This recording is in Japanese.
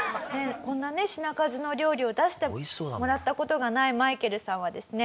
こんなね品数の料理を出してもらった事がないマイケルさんはですね